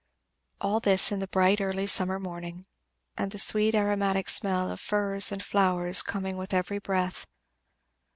All this in the bright early summer morning, and the sweet aromatic smell of firs and flowers coming with every breath.